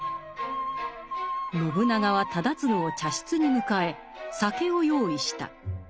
信長は忠次を茶室に迎え酒を用意した。